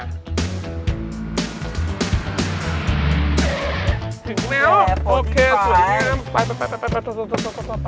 ถึงแล้วโอเคสวยงาม